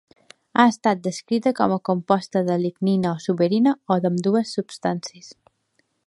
Ha estat descrita com a composta de lignina o suberina o d'ambdues substàncies.